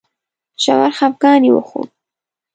ژور خپګان یې وښود.